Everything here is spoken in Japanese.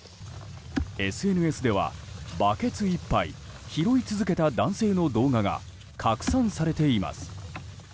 ＳＮＳではバケツいっぱい拾い続けた男性の動画が拡散されています。